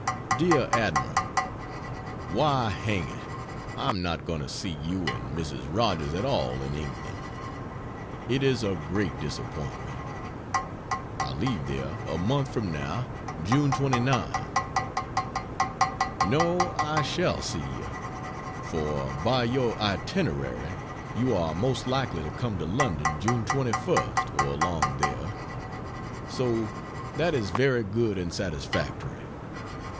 DEAR ADMIRAL, Why hang it, I am not going to see you and Mrs. Rogers at all in England! It is a great disappointment. I leave there a month from now June 29. No, I shall see you; for by your itinerary you are most likely to come to London June 21st or along there. So that is very good and satisfactory.